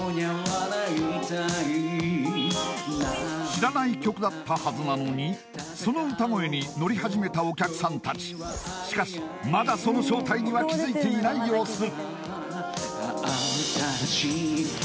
知らない曲だったはずなのにその歌声にノリはじめたお客さんたちしかしまだその正体には気づいていない様子